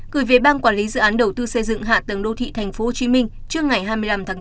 gửi về bang quản lý dự án đầu tư xây dựng hạ tầng đô thị thành phố hồ chí minh trước ngày hai mươi năm tháng bốn